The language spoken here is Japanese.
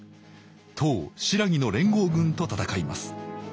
唐・新羅の連合軍と戦います。